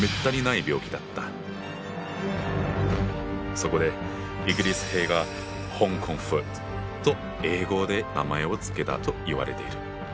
そこでイギリス兵が「ＨｏｎｇＫｏｎｇｆｏｏｔ」と英語で名前を付けたといわれている。